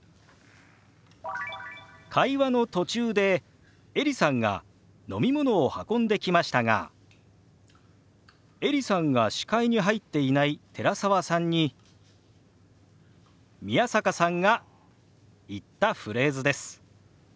会話の途中でエリさんが飲み物を運んできましたがエリさんが視界に入っていない寺澤さんに宮坂さんが言ったフレーズです。